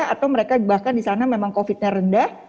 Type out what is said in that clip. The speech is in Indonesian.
atau mereka bahkan di sana memang covid nya rendah